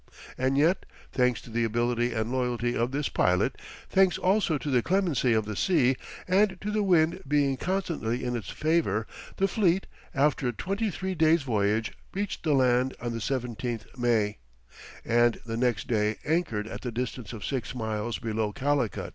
And yet, thanks to the ability and loyalty of this pilot, thanks also to the clemency of the sea, and to the wind being constantly in its favour, the fleet, after a twenty three days' voyage, reached the land on the 17th May, and the next day anchored at the distance of six miles below Calicut.